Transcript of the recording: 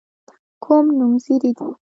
کوم نومځري دي.